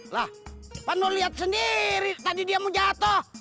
lah pak nul lihat sendiri tadi dia mau jatuh